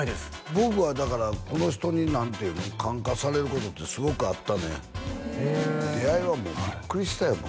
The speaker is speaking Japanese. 僕はだからこの人に何ていうの感化されることってすごくあったねへえ出会いはもうビックリしたよ